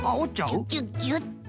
ギュギュギュッと。